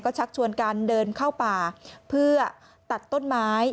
ชักชวนกันเดินเข้าป่าเพื่อตัดต้นไม้